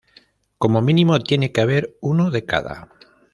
Como mínimo tiene que haber uno de cada.